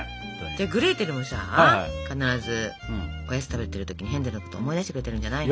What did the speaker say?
グレーテルもさ必ずおやつ食べてる時にヘンゼルのことを思い出してくれてるんじゃないの？